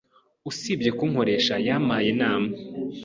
Usibye kunkoresha, yampaye inama.